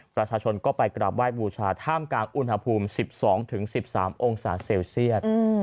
ประชาชนก็ไปกราบไหว้บูชาท่ามกลางอุณหภูมิ๑๒๑๓องศาเซลเซียต